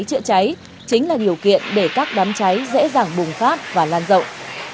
chữa cháy chính là điều kiện để các đám cháy dễ dàng bùng phát và lan rộng